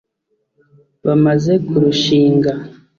Bamaze kurushinga